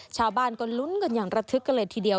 ชาวบ้านก็ลุ้นกันอย่างระทึกกันเลยทีเดียว